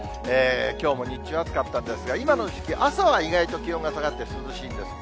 きょうも日中、暑かったんですが、今の時期、朝は意外と気温が下がって涼しいです。